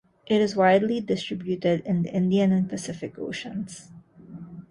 It is widely distributed in the Indian and Pacific Oceans.